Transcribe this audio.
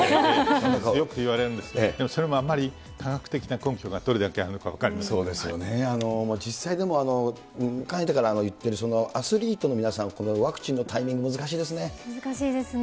よく言われるんですが、でもそれもあんまり、科学的な根拠がどれだけあるのか分かりませそうですよね、実際でも、かねてからいってる、アスリートの皆さん、ワクチンのタイミング、難しいですね。